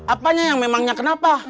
apanya yang memangnya kenapa